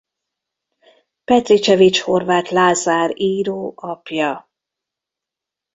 Petrichevich-Horváth Lázár író apja.